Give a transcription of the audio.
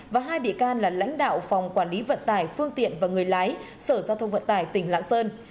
và hai bị can là lãnh đạo phòng quản lý vận tải phương tiện và người lái sở giao thông vận tải tỉnh lạng sơn